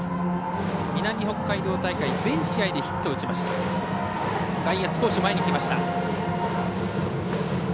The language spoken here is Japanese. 南北海道大会全試合でヒットを打ちました。